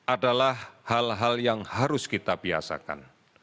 adalah hal hal yang harus kita biasakan